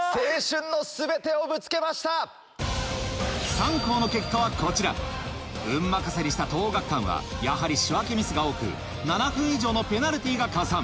３校の結果はこちら運任せにした東桜学館はやはり仕分けミスが多く７分以上のペナルティーが加算